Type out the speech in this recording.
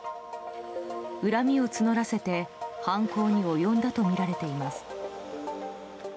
恨みを募らせて犯行に及んだとみられています。